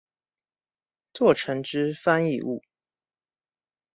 作成之翻譯物